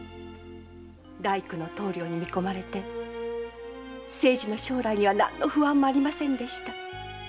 大工の棟梁に見込まれて将来には何の不安もありませんでした。